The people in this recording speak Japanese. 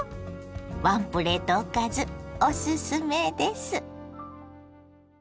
ワンプレートおかずおすすめです。